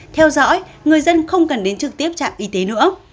theo dõi người dân không cần đến trực tiếp trạm y tế nữa